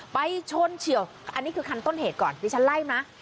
ไปชนเฉียวอันนี้คือคันต้นเหตุก่อนดิฉันไล่นะ